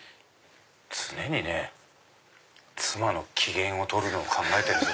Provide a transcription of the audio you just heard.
常にね妻の機嫌を取るのを考えてるんです。